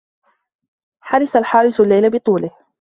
حرس الحارس الليل بطوله.